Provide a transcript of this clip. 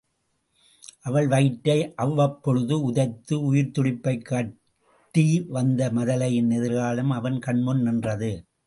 அவள் வயிற்றை அவ்வப்பொழுது உதைத்து உயிர்த் துடிப்பைக் காட்டி வந்த மதலையின் எதிர்காலம் அவன் கண்முன் நின்றது.